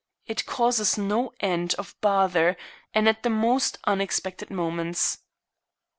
It causes no end of bother, and at the most unexpected moments."